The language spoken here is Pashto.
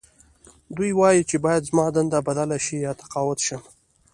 دوی وايي چې باید زما دنده بدله شي یا تقاعد شم